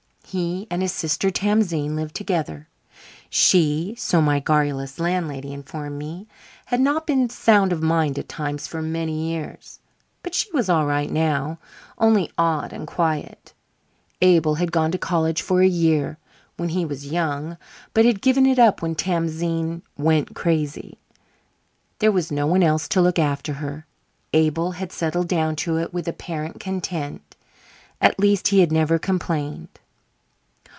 He and his sister, Tamzine, lived together; she, so my garrulous landlady informed me, had not been sound of mind at times for many years; but she was all right now, only odd and quiet. Abel had gone to college for a year when he was young, but had given it up when Tamzine "went crazy". There was no one else to look after her. Abel had settled down to it with apparent content: at least he had never complained.